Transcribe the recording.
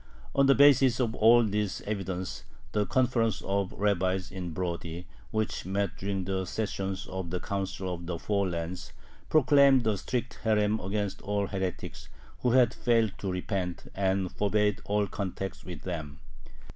On the basis of all this evidence, the conference of rabbis in Brody, which met during the sessions of the Council of the Four Lands, proclaimed a strict herem against all heretics who had failed to repent, and forbade all contact with them.